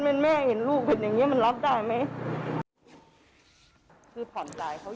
แม่อยากเห็นลูกเห็นอีกอย่างนี้รับได้ไหม